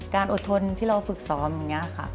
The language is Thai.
อดทนที่เราฝึกซ้อมอย่างนี้ค่ะ